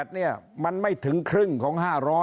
๒๓๘เนี่ยมันไม่ถึงครึ่งของ๕๐๐